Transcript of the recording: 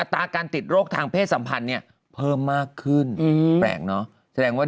ตาการติดโรคทางเพศสัมพันธ์เนี่ยเพิ่มมากขึ้นแปลกเนอะแสดงว่า